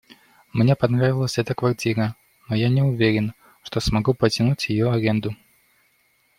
Мне понравилась эта квартира, но я не уверен, что смогу потянуть её аренду.